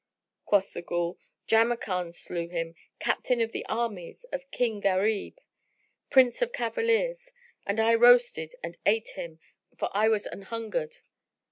Quoth the Ghul, "Jamrkan slew him, captain of the armies of King Gharib, Prince of cavaliers, and I roasted and ate him, for I was anhungered."